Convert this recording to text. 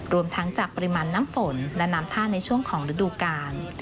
รวมทั้งจากปริมาณน้ำฝนและน้ำท่าในช่วงของฤดูกาล